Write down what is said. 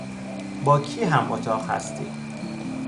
با کی هم اتاق هستی؟